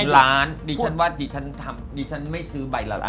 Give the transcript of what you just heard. ไม่ถึงล้านดิฉันไม่ซื้อใบละล้าน